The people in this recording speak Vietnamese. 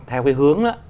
theo cái hướng